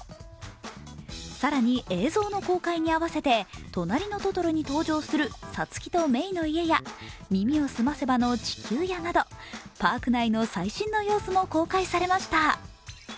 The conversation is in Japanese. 更に映像の公開に合わせて「となりのトトロ」に登場するサツキとメイの家や「耳をすませば」の地球屋などパーク内の最新の様子も公開されました。